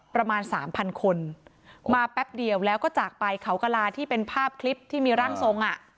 ประมาณสามพันคนมาแป๊บเดียวแล้วก็จากไปเขากระลาที่เป็นภาพคลิปที่มีร่างทรงอ่ะ